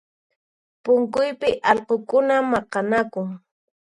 Punkuypi allqukuna maqanakun